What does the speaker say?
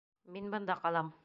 Мин бында ҡалам.